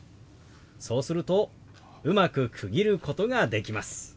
そうするとうまく区切ることができます。